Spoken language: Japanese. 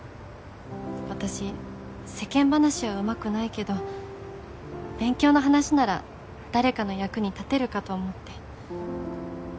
私世間話はうまくないけど勉強の話なら誰かの役に立てるかと思って。